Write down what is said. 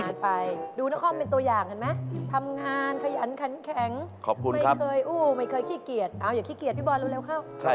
เจ๊เหมาะเรียบบ้าเจ๊เหมาะ